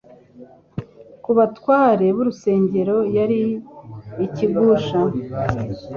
ku batware b'urusengero yari ikigusha,